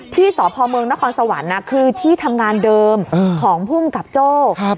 ที่สพเมนครสวรรค์นะคือที่ทำงานเดิมเออของพุ่มกับโจ้ครับ